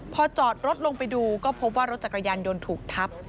พอจอดรถลงไปดูก็พบว่ารถจักรยานยนต์ถูกทับ